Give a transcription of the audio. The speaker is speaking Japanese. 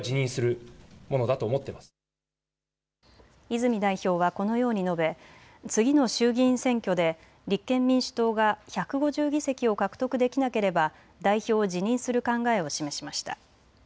泉代表はこのように述べ次の衆議院選挙で立憲民主党が１５０議席を獲得できなければ代表を辞任する考えを示しました。